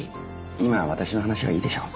今私の話はいいでしょう。